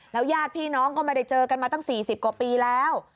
ญาติพี่น้องก็ไม่ได้เจอกันมาตั้ง๔๐กว่าปีแล้ว